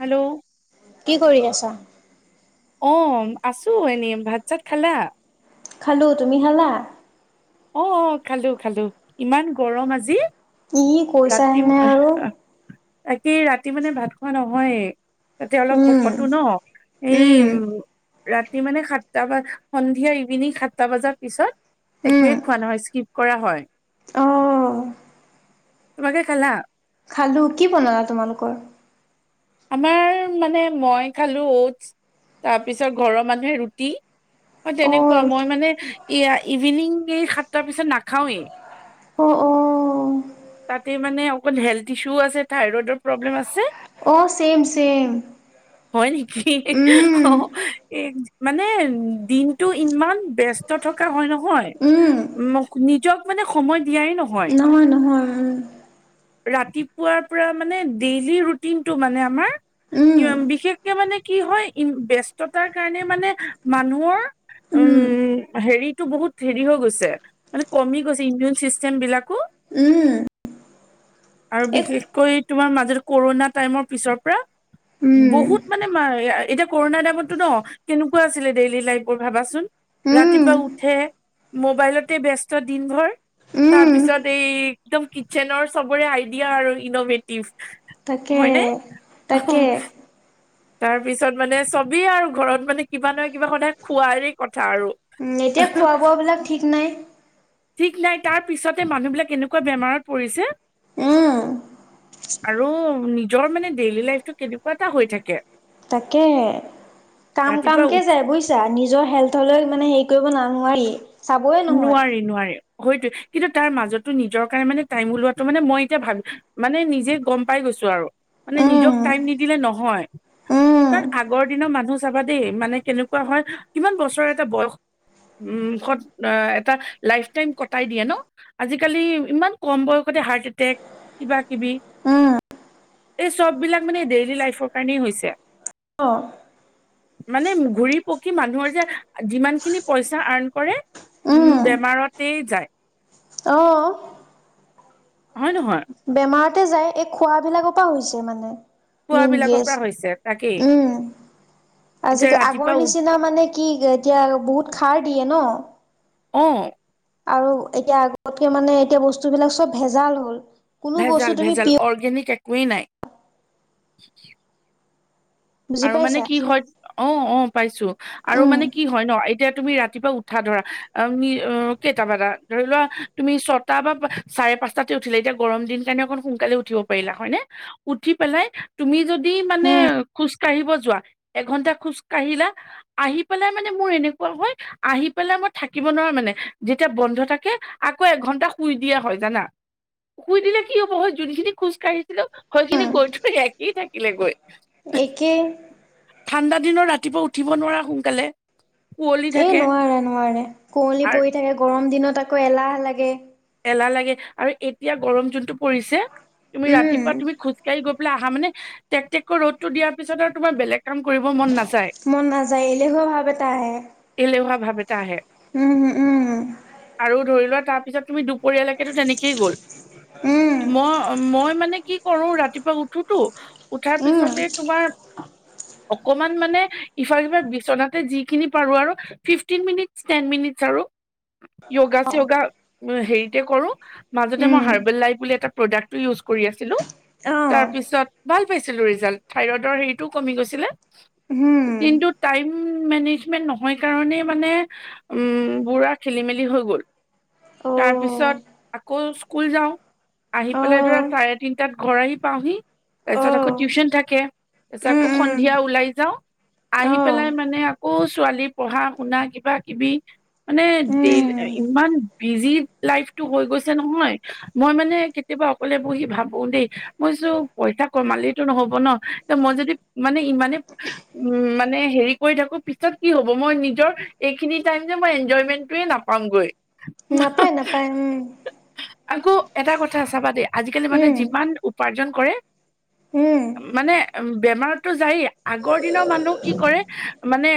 Hello কি কৰি আছা? অ', আছো এনে ভাত চাত খালা? খালোঁ তুমি খালা? অ', অ', খালো খালো ইমান গৰম আজি। কি কৈছাহেনে আৰু এটি ৰাতি মানে ভাত খোৱা নহয়ে। তাতে অলপ উম সকতোঁ ন এই উম। ৰাতি মানে সাতটা বা সন্ধিয়া ইভিনিং সাতটা বাজা পিছত উম একোৱয়ে খোৱা নহয় স্কিপ কৰা হয়। অঁ তোমাকে খালা? খালো, কি বনালা তোমালোকৰ? আমাৰ মানে মই খালো অটছ তাৰপিছত ঘৰৰ মানুহে ৰুটি। হয় অঁ তেনেকুৱা ৰুটি মই মানে এয়া ইভিনিং এই সাতটাৰ পিছত নাখাওৱেই। অ অ তাতে মানে অকন হেল্থ ইছু আছে থাইৰইডৰ প্ৰব্লেম আছে। অঁ ছেম ছেম হয় নিকি উম অ মানে দিনটো ইমান ব্যস্ত থকা হয় নহয় উম মোক নিজক মানে সময় নহয় নহয় উম। ৰাতিপুৱাৰ পৰা মানে ডেইলি ৰুটিন টো মানে আমাৰ উম [unintelligible] বিশেষকে মানে কি হয় ই ব্যস্ততাৰ কাৰণে মানে মানুহৰ উম হেৰিত টো বহুত হেৰি হৈ গৈছে মানে কমি গৈছে ইমিউন চিষ্টেম বিলাকো উম, আৰু এক বিশেষকৈ তোমাৰ মাজত কৰোনা টাইমৰ পিছৰ পৰা উম বহুত মানে মা [unintelligible] এতিয়া কৰোণাৰ টাইমততো ন কেনেকুৱা আছিলে ডেইলি লাইফৰ ভাবাচোন উম ৰাতিপুৱা উঠে মোবাইলতে ব্যস্ত দিনভৰ উম তাৰপিছত এই একদম কিটচেনৰ চবৰে আইডিয়া আৰু ইনভেটিভ তাকে হয়নে অহ তাকে তাৰ পিছত মানে চবেই আৰু ঘৰত মানে কিবা নহয় কিবা সদায় খোৱাৰে কথ আৰু উম, এতিয়া খোৱা [unintelligible] বোৱাবিলাক ঠিক নাই ঠিক নাই তাৰ পিছতে মানুহ বিলাক এনেকুৱা বেমাৰত পৰিছে উম আৰু নিজৰ মানে ডেইলি লাইফটো কেনেকুৱা এটা হৈ থাকে। তাকেহে কাম-কামকে ৰাতিপুৱা যায় বুইছা নিজৰ হেল্থলৈ মানে হেৰি কৰিব না নোৱাৰি। চাবই নহয়। নোৱাৰি নোৱাৰি হয়তো কিন্তু তাৰ মাজততো নিজৰ কাৰণে মানে টাইম ওলোৱাটো মানে মই এতিয়া ভাব মানে নিজে গম পাই গৈ গৈছোঁ আৰু মানে উম নিজক টাইম নিদিলে নহয়। উম কাৰণ আগৰ দিনৰ মানুহ চাবা দেই মানে কেনেকুৱা হয় কিমান বছৰ এটা বয়স [unintelligible] [unintelligible] এটা লাইফ টাইম কটাই দিয়ে ন' আজিকালি ইমান কম বয়সতে হাৰ্ট এটেক কিবা কিবি উম এই চব বিলাক মানে ডেইলি লাইফৰ কাৰণেই হৈছে অ', মানে ঘুৰি পকি মানুহৰ যে যিমান খিনি পইচা আৰ্ণ কৰে উম, বেমাৰতেই যায়। অ হয় নহয়? বেমাৰতে যায় এই খোৱাবিলাকৰ পা হৈছে মানে। মেইন খোৱাবিলাকৰ পৰা হৈছে তাকেই গেছ উম যে আজিকা ৰাতিপুৱা আগৰ উ নিচিনা মানে কি এতিয়া বহুত খাৰ দিয়ে ন অ আৰু এতিয়া আগতকে মানে এতিয়া বস্তুবিলাক চব ভেজাল হ'ল। কোনো বস্তু ভেজাল তুমি ভেজাল পিয় অৰ্গেনিক একোৱেই নাই। বুজি আৰু মানে পাইছা কি হয় অহ অহ পাইছোঁ আৰু উম মানে কি হয় ন। এতিয়া তুমি ৰাতিপুৱা উঠা ধৰা অহ আমি কেইটা বা এটা ধৰি লোৱা তুমি ছটা বা পাঁচ। চাৰে পাঁচটাতে উঠিলা এতিয়া গৰম দিন কাৰণে অকণ সোনকালে উঠিব পাৰিলা হয় নে উঠি পেলাই তুমি য। দি মানে। হম খোজ কাঢ়িব যোৱা এঘন্টা খোজ কাঢ়িলা আহি পেলাই মানে মোৰ এনেকুৱা হয় আহি। পেলাই মই থাকিব নোৱাৰো মানে যেতিয়া বন্ধ থাকে আকৌ এঘন্টা শুই দিয়া হয় জানা। শুই দিলে কি হব হয় যোনখিনি খোজকাঢ়ি। হেল্লো গৈ কিনি কৈ থৈ আহি থাকিলে গৈ। একে। ঠাণ্ডা দিনৰ ৰাতিপুৱা উঠিব নোৱাৰা সোনকালে? কুঁৱলী এ থাকে নোৱাৰে নোৱাৰে কুঁৱলী আৰু পৰি থাকে গৰম দিনত আকৌ এলাহ লাগে। এলাহ লাগে আৰু এতিয়া গৰম জোনটো পৰিছে তুমি উম ৰাতিপুৱা তুমি খোজকাঢ়িব আহা মানে টেকটেকৈ ৰ'তটো দিয়াৰ পিছত আৰু তোমাৰ বেলে কাম কৰিব মন নাযায় মন নাযায় এলেহুৱা ভাৱ এটা আহে। এলেহাৱা ভ আহে উম উম আৰু ধৰি লোৱা তাৰপিছত তুমি দু পৰিয়ালকেতো তেনেকেই গ'ল উম মই - মই মানে কি কৰো ৰাতিপুৱা উঠোতো - উঠাৰ উম পিছতে তোমাৰ অকমান মানে ইফালিফ বিচনাতে যিখিনি পাৰো আৰু ফিফট মিনিট টেন মিনিট আৰু য়োগা চিয়গা হেৰিতে কৰো মাজতে মই উম হাৰ্বেল লাইফ বুলি এটা প্ৰডাক্টটো ইউজ কৰি আছিলো অহ তাৰপিছত ভাল পাইছিলো ৰিজাল্ট থাইৰইডৰ হেৰিটোও কমি গৈছিলে। হুম কিন্তু টাইম মেনেজমেন্ট নহয় কাৰণে মানে উম, বুঢ়া খেলি মেলি হৈ গ'ল। [inaudible] তাৰপিছত অ' আকৌ স্কুল যাও। আহি পেলাই ধৰা অ' চাৰে তিনটাত ঘৰ আহি পাওহি তাৰ পিছত আকৌ অ' টিউশচন থাকে তাৰ পিছত উম আকৌ উম সন্ধিয়া ওলাই যাও। আহি পেলাই অ' মানে আকৌ ছোৱালী পঢ়া শুনা কিবা কিবি মানে দে উম ইমান বিজি লাইফটো হৈ গৈছে নহয় মই মানে কেতিয়াবা অকলে বহি ভাবো দেই মই পইটা কমালটো নহব ন এ মই যদি মানে ইমানে উম, মানে হেৰি কৰি থাকো পিছত কি হ'ব মই নিজৰ এইখিনি টাইম যে মই এনজয়মেন্টয়ে নাপামগৈ। নাপায় - নাপায় উম। আকৌ এটা কথা চাবা দেই আজিকালি মানে উম যিমান উপাৰ্জন কৰে উম। মানে বেমাৰতো যাইয়ে আগৰ দিনৰ মানুহ কি কৰে মানে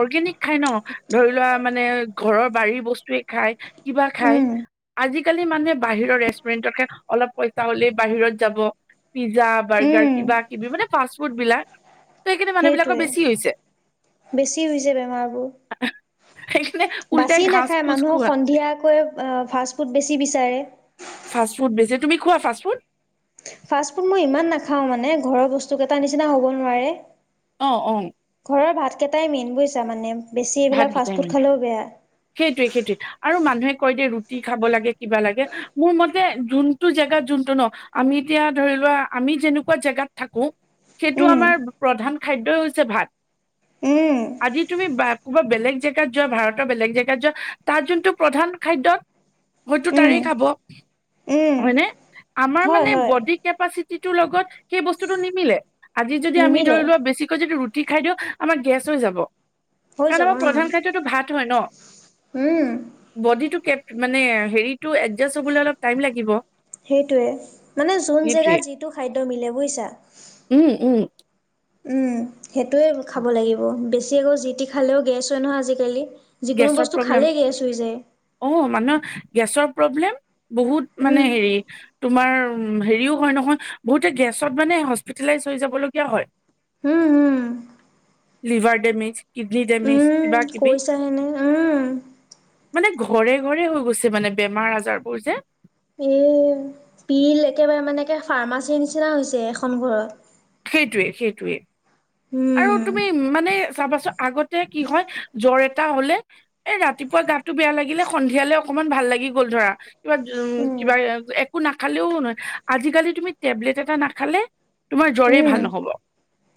অৰ্গেনিক খাই ন ধৰি লোৱা মানে ঘৰৰ বাৰীৰ বস্তুৱে খাই কিবা খায় উম আজিকালি মানুহে বাহিৰৰ ৰেষ্টুৰেণ্টকে অলপ পইচা হলেই বাহিৰত যাব। পিজ্জা বাৰ্গাৰ উম কিবা কিবি মানে ফাষ্টফুড বিলাক ত সেইকাৰণে মানুহ বিলাকৰ বেছি হৈছে সেইটোৱে বেছি হৈছে বেমাৰবোৰ। সেইকাৰণে উল্টাই বাছি ঘাচ নাখায় ফুচ মানুহক খোৱা সন্ধিয়াকৈ ফাষ্ট ফুড বেছি বিচাৰে। ফাষ্টফুড বেছি তুমি খোৱা ফাষ্টফুড? ফাছফুড মই ইমান নাখাও মানে ঘৰৰ বস্তু নিচিনা হ'ব নোৱাৰে। অ', -অ', ঘৰৰ ভাতকেইটাই মেইন বুজছা মানে? বেছি ভাত এইবিলাক গেইটাই ফাষ্টফুড মানে খালেও বেয়া। সেইটোৱে - সেইটো আৰু মান হি কৈ দিয়ে ৰুটি খাব লাগে কিবা লাগে মোৰ মতে জোনটো জেগাত জোনটো ন তেতিয়া ধৰি লোৱা আমি যেনেকুৱা জোগাত থাকো সেইটো উম, আমাৰ প্ৰধান খাদয়ই হৈছে ভাত উম, আজি তুমি ক'ৰবাত বেলেগ জেগাত যোৱা ভাৰতৰ বেলেগ জেগাত যোৱা তাৰ যোনটো প্ৰধান খাদ্য হয়তো উম, তাৰে খাব উম। হয়নে? আমাৰ হয়, মানে হয় বডি কেপাচিটি ৰ লগত সেই বস্তুটো নিমিলে। আজি যদি আমি নিমিলে ধৰি লোৱা বেছিকৈ যদি ৰুটি খাই দিও আমাৰ গেছ হৈ যাব। হৈ কাৰণ যাব আমাৰ উম, প্ৰধান খাদ্যতটো ভাত হয় ন উম। বডিটো কে মানে হেৰিতটো এডজাষ্ট হবলৈ অলপ টাইম লাগিব। সেইটোৱে মানে যোন সেইটোৱে। জেগাত যিটো খাদ্য মিলে বুজিছা? উম, উম, উম, সেইটোৱে খাব লাগিব বেছি আকৌ জি টি খালেও গেছ হয় নহয় আজিকালি। যিকোনো গেছৰ বস্তু প্ৰব্লেম খালেই, গেছ হৈ যায়। অ', মানুহৰ গেছৰ প্ৰব্লেম, বহুত মানে উম। হেৰি। তোমাৰ, হেৰিও হয় নহয় বহুতে গেছত মানে হস্পিতেলাইজ হৈ যাবলগীয়া হয়। উম হুম লিভাৰ ডেমেজ কিডনি ডেমেজ উম কিবা কিবি কৈছাহেনে উম মানে ঘৰে ঘৰে হৈ গৈছে মানে বেমাৰ আজাৰবোৰ যে এ পিল একেবাৰে মানে ফাৰ্মাচীৰ নিচিনা হৈছে এখন ঘৰত সেইটোৱে সেইটোৱে আৰু উম তুমি মানে চাবাচো চ আগতে কি হয় জ্বৰ এটা হলে এ ৰাতিপুৱা গাতটো বেয়া লাগিলে সন্ধিয়ালে অ অকমান ভাল লাগি গ'ল ধৰা কিবা উম কিবা এক একো নাখালেও নহয়, আজিকালি তুমি টেবলেট এটা নাখালে। তোমাৰ জ্বৰেই উম ভাল নহ'ব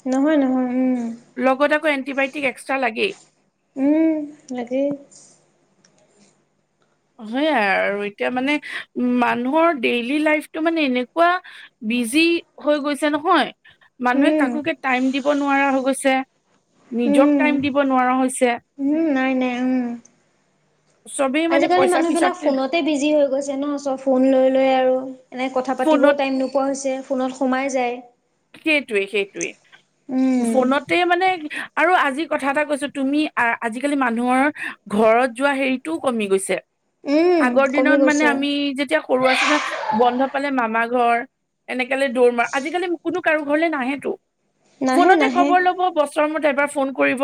নহয় নহয় উম লগত এণ্টিবায়টিক এক্স্ৰা লাগেই উম' লাগে। হয়া আৰু এতিয়া মানে, মানুহৰ ডেইলি লাইফটো মানে এনেকুৱা। বিজি হৈ গৈছে নহয় মানুহে উম কাকো কে টাইম দিব নোৱাৰা হৈ গৈছে নিজক উম টাইম দিব নোৱাৰা হৈছে মানে, উম'। চবেই মানে আজিকালি পইচা মানুহ বিলাক পিছাতে ফোনতে বিজি হৈ গৈছে ন চব ফোন লৈ লৈ আৰু এনে কথা পাতিবও ফোনত টাই টাইম নোপোৱা হৈছে। ফোনত সোমাই যায়। সেইটোৱে সেইটোৱে উম ফোনতে মানে আৰু আজিৰ কথা এটা কৈছো, তুমি আ আজিকালি মানুহৰ ঘৰত যোৱা হেৰিটোও কমি গৈছে। উম আগৰ কমি দিনত মানে গৈছে আমি যেতিয়া সৰু আছিলো বন্ধ পালে মামা মা ঘৰ এনেকালে দৌৰ মাৰ আজিকালি কোনো কাৰো ঘৰলে নাহেতো নাহে ফোনতে নাহে খবৰ ল'ব বছৰ মূৰত এবাৰ ফোন কৰিব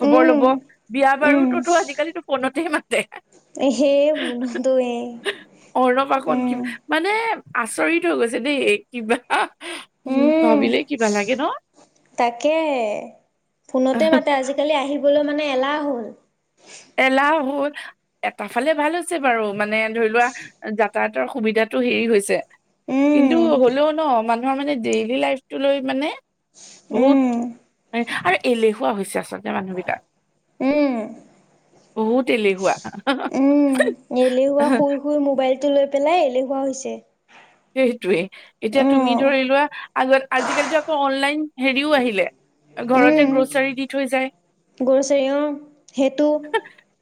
খবৰ লব উম বিয়া উম বাৰুতোতো আজিকালিতো ফোনতে মাতে- সেই বুনতোৱে অ ৰবা কণ কি উম মানে আচৰিত হৈ গৈছে দেই কিবা উম ভাবিলে কিবা লাগে ন তাকেহে ফোনতে মাতে আজিকালি আহিবলৈ মানে এলাহ হল এলাহ হল এটা ফালে ভাল হৈছে বাৰু মানে ধৰি লোৱা যাক তাহাতৰ সুবিধাটো হেৰি হৈছে কিন্তু উম হ'লেও ন মান আমাৰ মানে ডেইলি লাইফটো লৈ মানে বহুত উম আৰে এলেহুৱা হৈছে আচলতে মানুহবিলাক উম উম' এলেহুৱা শুই শুই মোবাইলটো লৈ। লৈ পেলাই এলেহুৱা হৈছে সেইটোৱেই এতিয়া তুমি ধৰি লোৱা, আগত আজিকালিতো আকৌ অনলাইন হেৰিও আহিলে। ঘৰতে গ্ৰ'চাৰী দি থৈ যায়। গৰু চৰিয় সেইটো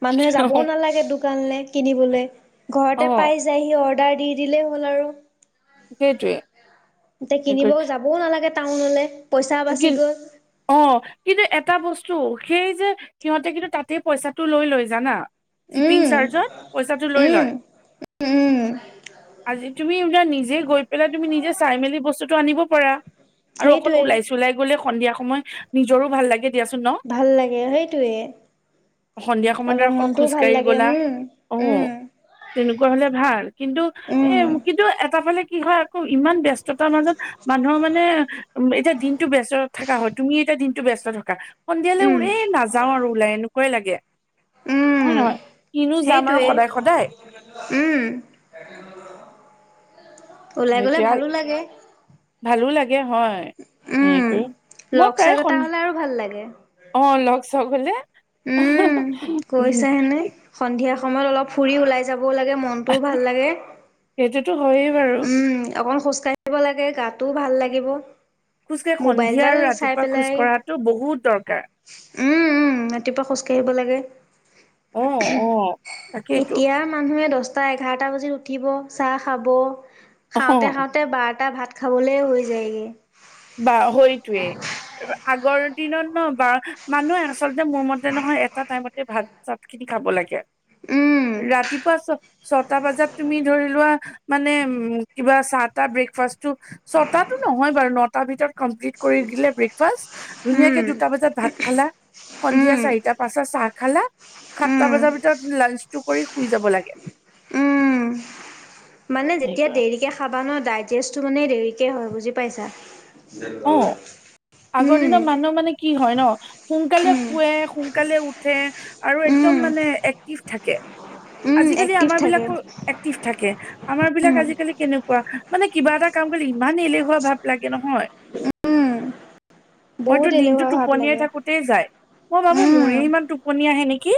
মানুহে যাবও নালাগে দুখ কিনিবলে ঘৰতে অ পাই যায়হি অৰ্ডাৰ দি দিলেই হ'ল আৰু সেইটোৱে এয়া কিনিব যাবও নালাগে টাউনলে পইচা বাচি কিন গ'ল অ কিন্তু এট এটা বস্তু সেই যে সিহঁতে কিন্তু তাতেই পইচাটো লৈ লয় জানা শিপিং উম চাৰ্জত পইচাটো লৈ লয় উম উম, আজি তুমি ওলা নিজে গৈ পেলাই তুমি নিজে চাই মেলি বস্তুটো আনিব পাৰা আৰু অকন সেইটোৱে ওলাইছ গলে সন্ধিয়া সময়, নিজৰো ভাল লাগে। দিয়াচোন ন ভাল লাগে, সন্ধিয়া সেইটোৱেই। সময়ত ধৰা অলপ অকণ মনটোও ভাল খোজকাঢ়ি লাগে। গ'লা উম', অ উম'। তেনেকুৱা হলে ভাল কিন্তু এ উম, কিন্তু এটা ফালে কি হয় আকৌ ইমান ব্যস্ততাৰ মাজত মানুহৰ মানে উম, এতিয়া দিন টো ব্যস্ত থকা হয় তুমি এতিয়া দিনটো ব্যস্ত থকা সন্ধিয়ালে উম। উৰে নাযাও আৰু ওলাই এনুক ক লাগে। উম, হয় নহয় কিনো যাম আৰু সেইটোৱে সদায় - সদায়। উম, ওলাই গ'লে সেইটোৱে আৰু ভালো লাগে। ভালো হয় হে উম। কৰ মই লগ চগ এটা প্ৰায় হ'লে আৰু ভাল শনি লাগে অ লগ চক হ'লে। উম, কৈছা হেনে সন্ধিয়া সময়ত অলপ ফুৰি ওলাই যাব। ব লাগে মনটো ভাল লাগে। সেইটোতো হয়েই বাৰু উম অকমান খোজ খোজঢ়িব লাগে গাটোও ভাল লাগিব। খোজকাঢ়ি সন্ধিয়া মোবাইলডাল আৰু চাই ৰাতিপুৱা খোজ পেলাই কঢ়াতটো বহুত দৰকাৰ। উম - উম ৰাতিপুৱা খোজ কাঢ়িব লাগে। অ অ তাকেইতো এতিয়া মানুহে দহ টা এঘাৰটা বজাত উঠিব, চাহ খাব অ খাওঁতে খাওঁতে বাৰটা ভাত। খাবলে হৈ যায়গে। বা হয়তোৱে আগৰ। দিনত ন ব মানুহে আচলতে মোৰ মতে নহয় এটা টাইমতে ভাত চাত খিনি খাব লাগে। উম ৰাতিপুৱা ছ ছটা বজাত তুমি ধৰি লোৱা মানে উম, কিবা চাহটা ব্ৰকফাটো ছটাটো নহয় বাৰু। তাৰ ভিতৰত কমপ্লিট কৰি দিলে ব্ৰেকফাষ্ট ধুনীয়াকে উম দুটা বজাত ভাত খালা সন্ধিয়া উম চাৰিটা পাচত চাহ খালা। সাতটা উম বজাৰ ভিতৰত লাঞ্চটো কৰি শুই যাব লাগে। উম। মানে যেতিয়া দেৰিকে খাবা ন ডেষ্টটো মানে দেৰিকে হয় বুজি পাইছা। অ ভাল [unintelligible] আগৰ দিনৰ মানুহ মানে কি হয় ন সোনকালে উম শুৱে সোনকালে উঠে আৰু। উম একদম মানে এক্টিভ থাকে। উম আজিকালি এক্টিভ আমাৰ থাকে বিলাকো এক্টিভ থাকে আমাৰ উম বিলাক আজিকালি কেনেকুৱা মানে। কিবা এটা কাম কৰিলে ইমান এলেহুৱা ভাৱ লাগে নহয়। উম মইতো বহুত দিনটো এলেহুৱা ভাৱ টোপনিয়াই লাগে থাকোতেই যাই। মই ভাবো মোৰে উম ইমান টোপনি আহে নেক কি?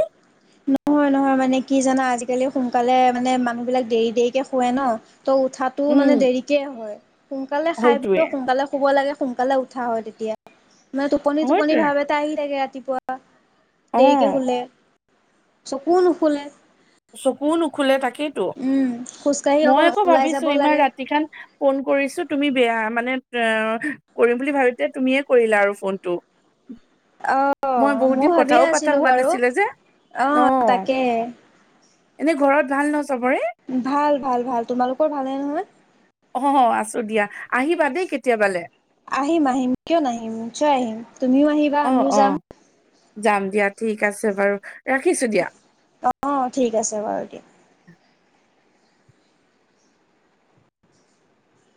নহয় - নহয় মানে কি জানা আজিকালি সোনকালে মানে মানুহ বিলাক দেৰি - দেৰিকে শুৱে ন। ত, উঠাতটো উম, মানে দেৰিকে হয় সোনকালে খাই হয়তোৱে ব সোনকালে শুব লাগে। সোনকালে উঠা হয় তেতিয়া মানে টোপনি - টোপনি হয়তোৱে ভাৱ এটা আহি থাকে ৰাতিপুৱা। দেৰিকে অ', শুলে চকু নুখুলে চকু নোখোলে তাকে। সেইটো উম খোজকাঢ়ি মই অকণ আকৌ ওলাই যাব ভাবিছো ইমান লাগে ৰাতি খান ফোন কৰিছো তুমি বেয়া মানে অ কৰিম বুলি ভাবিতে তুমিয়ে কৰিলা আৰু ফোনটো। অ মই বহুত দিন কথাও পতা হোৱা নাছিলে যে। অহ, অ', তাকে এনে ঘৰত ভাল ন চবৰে? ভাল- ভাল - ভাল তোমালোকৰ ভালহে নহয়। অ, আছো দিয়া আহিবা দেই কেতিয়াবালে। আহিম - আহিম কিয় নাহিম নিশ্চয় আহিম তুমিও আহিবা অ', আমিও যাম। অ', যাম দিয়া ঠিক আছে বাৰু ৰাখিছো দিয়া। অ ঠিক আছে বাৰু দিয়া